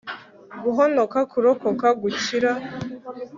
guhonoka kurokoka, gukira